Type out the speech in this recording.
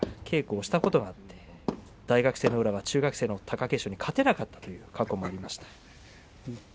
稽古をしたことがあって大学生の宇良は中学生の貴景勝に勝てなかったという過去はありました。